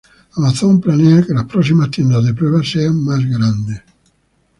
Amazon planea que las próximas tiendas de prueba sean más grandes.